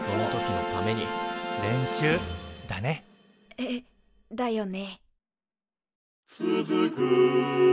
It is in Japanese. えだよね。